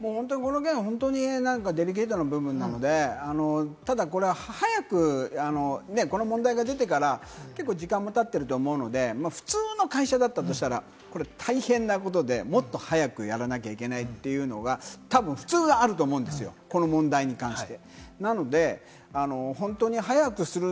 本当にデリケートな部分なので、ただ、これは早くこの問題が出てから、時間も経ってると思うので、普通の会社だったとしたら、これ大変なことで、もっと早くやらなきゃいけないというのがたぶん普通はあると思うんですよ、この問題に関して。